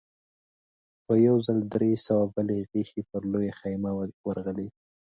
په يوه ځل درې سوه بلې غشې پر لويه خيمه ورغلې.